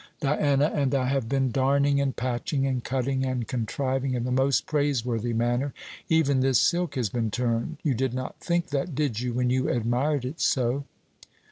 Diana and I have been darning, and patching, and cutting, and contriving, in the most praiseworthy manner. Even this silk has been turned. You did not think that, did you, when you admired it so?"